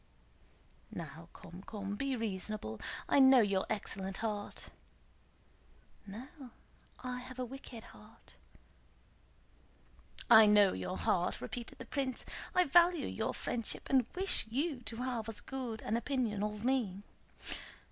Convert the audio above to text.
"Now come, come! Be reasonable. I know your excellent heart." "No, I have a wicked heart." "I know your heart," repeated the prince. "I value your friendship and wish you to have as good an opinion of me.